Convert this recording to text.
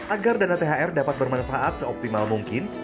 agar dana thr dapat bermanfaat seoptimal mungkin